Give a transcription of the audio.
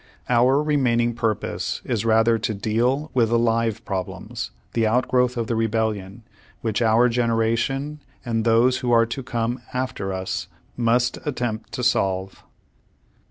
Our remaining purpose is rather to deal with the live problems, the outgrowth of the Rebellion, which our generation, and those who are to come after us, must attempt to solve.